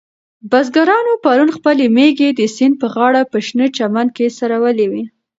بزګرانو پرون خپلې مېږې د سیند په غاړه په شنه چمن کې څرولې وې.